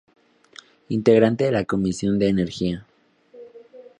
Integrante de la Comisión de Energía.